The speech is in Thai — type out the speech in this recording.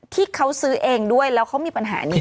ที่เขาซื้อเองด้วยแล้วเขามีปัญหานี้